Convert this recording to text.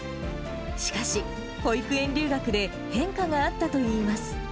しかし、保育園留学で変化があったといいます。